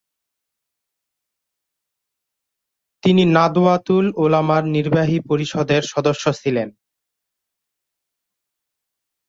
তিনি নাদওয়াতুল উলামার নির্বাহী পরিষদের সদস্য ছিলেন।